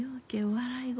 笑い声